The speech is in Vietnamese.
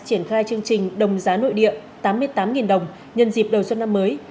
triển khai chương trình đồng giá nội địa tám mươi tám đồng nhân dịp đầu xuân năm mới